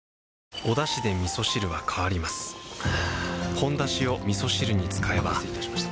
「ほんだし」をみそ汁に使えばお待たせいたしました。